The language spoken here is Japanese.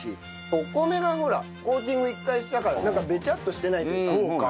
お米がほらコーティング１回したからなんかベチャッとしてないというか。